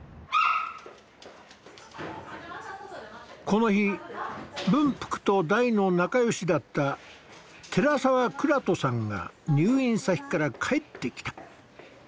この日文福と大の仲よしだった寺澤倉人さんが入院先から帰ってきた。